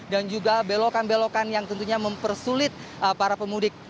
dan juga belokan belokan yang tentunya mempersulit para pemudik